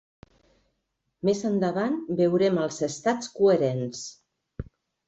Més endavant veurem els estats coherents.